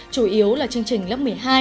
chủ yếu là chương trình lớp một mươi hai